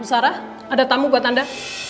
sarah ada tamu buat anda